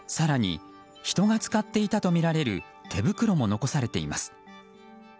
更に人が使っていたとみられる手袋も残されています。